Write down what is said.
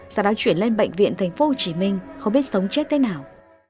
sau đó chuyển lên bệnh viện thành phố hồ chí minh không biết sống chết thế nào